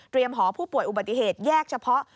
หอผู้ป่วยอุบัติเหตุแยกเฉพาะ